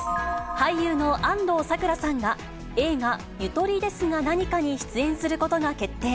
俳優の安藤サクラさんが、映画、ゆとりですがなにかに出演することが決定。